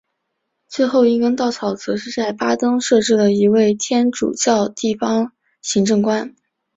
最后一根稻草则是在巴登设置了一位天主教地方行政官。